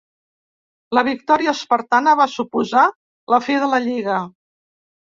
La victòria espartana va suposar la fi de la lliga.